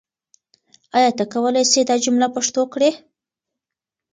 آیا ته کولای سې دا جمله پښتو کړې؟